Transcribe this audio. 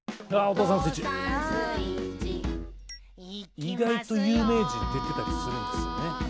意外と有名人出てたりするんですよね。